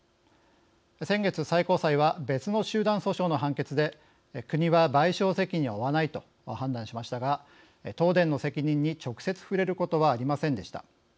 先月、最高裁は別の集団訴訟の判決で国は賠償責任を負わないと判断しましたが東電の責任に直接触れることはありませんでした。